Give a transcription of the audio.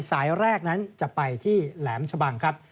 สายแรกนั้นจะไปที่แหลมชะบังครับ